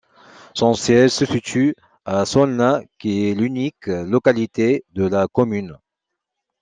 Son siège se situe à Solna qui est l'unique localité de la commune.